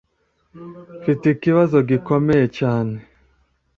Mfite ikibazo gikomeye cyane.